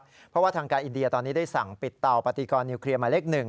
เพราะว่าทางการอินเดียตอนนี้ได้สั่งปิดเตาปฏิกรนิวเคลียร์มาเลข๑